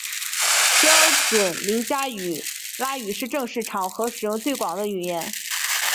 标准林加拉语是正式场合使用最广的语言。